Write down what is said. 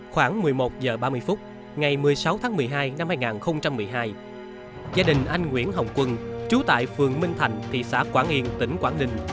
khoảng một mươi một h ba mươi phút ngày một mươi sáu tháng một mươi hai năm hai nghìn một mươi hai gia đình anh nguyễn hồng quân chú tại phường minh thành thị xã quảng yên tỉnh quảng ninh